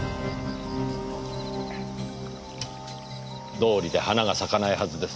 どうりで花が咲かないはずです。